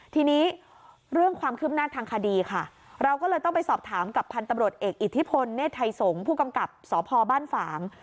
ทีนี้เรื่องความคืบหน้าทางคดีค่ะเราก็เลยต้องไปสอบถามกับพันธุ์ตำรวจเอกอิทธิพลเนธไทยสงฆ์ผู้กำกับสพบ้านฝาง